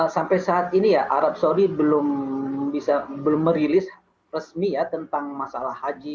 sampai saat ini ya arab saudi belum bisa belum merilis resmi ya tentang masalah haji